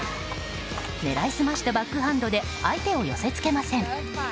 狙い澄ましたバックハンドで相手を寄せ付けません。